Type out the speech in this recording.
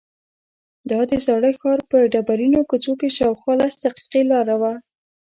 دا د زاړه ښار په ډبرینو کوڅو کې شاوخوا لس دقیقې لاره وه.